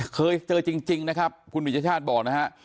เคยเจอจริงนะครับคุณมิชชาติบอกนะฮะ